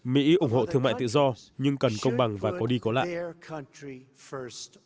mỹ ủng hộ thương mại tự do nhưng cần công bằng và có đi có lại